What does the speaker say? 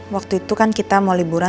waktu itu kan kita mau liburan